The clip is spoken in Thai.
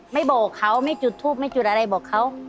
ไม่บอกเขาไม่จุดทูปไม่จุดอะไรบอกเขา